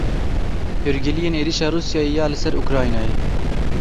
Hûrgiliyên êrişa Rûsyayê ya li ser Ukraynayê.